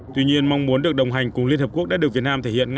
tuy nhiên mong muốn được đồng hành cùng liên hợp quốc đã được việt nam thể hiện